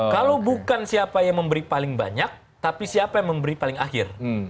kalau bukan siapa yang memberi paling banyak tapi siapa yang memberi paling akhir